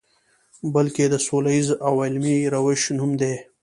بلکې د سولیز او علمي روش نوم دی.